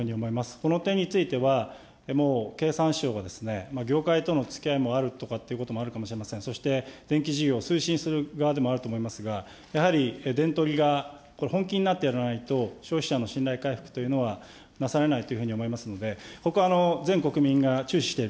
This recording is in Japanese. この点については、もう経産省が業界とのつきあいもあるとかということもあるかもしれません、そして電気事業する側でもあると思いますが、やはりでんとりがこれ、本気になってやらないと、消費者の信頼回復というのはなされないというふうに思いますので、ここは全国民が注視している。